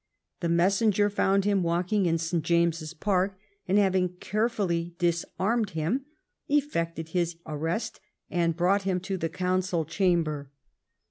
The messenger found him walking in St. James's Park, and, having carefully disarmed him, effected his arrest and brought him to the council chamber.